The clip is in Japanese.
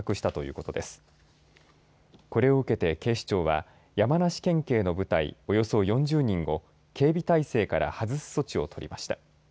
これを受けて、警視庁は山梨県警の部隊およそ４０人を警備態勢から外す措置を取りました。